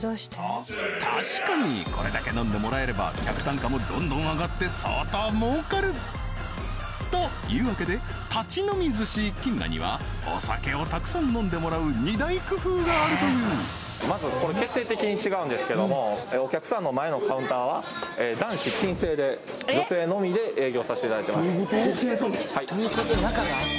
確かにこれだけ飲んでもらえれば客単価もどんどん上がって相当儲かる！というわけで立ち飲み寿司謹賀にはお酒をたくさん飲んでもらう２大工夫があるというまずこれ決定的に違うんですけどもお客さんの前のカウンターは男子禁制で女性のみで営業させていただいてますあっ